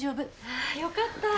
よかった。